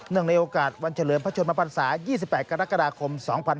เนื่องในโอกาสวันเฉลือมพระชนมพันษา๒๘กรกฎาคม๒๕๖๑